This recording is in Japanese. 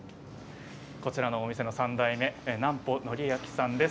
こちらのお店の３代目南保憲亨さんです。